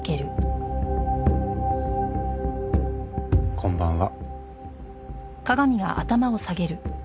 こんばんは。